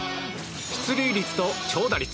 出塁率と長打率